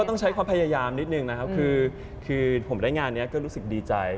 ต้องใช้ความพยายามนิดนึงนะครับคือผมได้งานนี้ก็รู้สึกดีใจ